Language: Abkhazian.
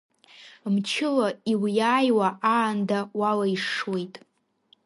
Мчыла иуиааиуа аанда уалаишшуеит.